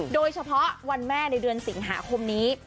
โดยเฉพาะวันแม่ในเดือนสิงหาคมนี้